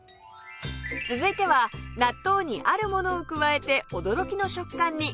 続いては納豆にあるものを加えて驚きの食感に！